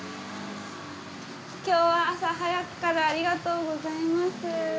今日は朝早くからありがとうございます。